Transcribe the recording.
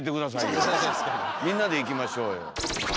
みんなで行きましょうよ。